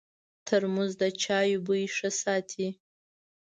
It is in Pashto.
ترموز د چایو بوی ښه ساتي.